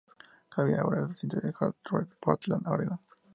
Xavier ahora reside en Hawthorne, Portland, Oregon.